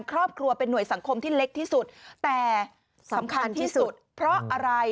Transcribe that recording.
ครอบครัวเป็นหน่วยสังคมที่เล็กที่สุดแต่สำคัญที่สุดเพราะอะไร